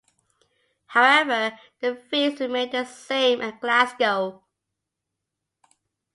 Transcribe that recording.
However the fees remained the same at Glasgow.